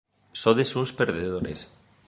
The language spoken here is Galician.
Sodes uns perdedores.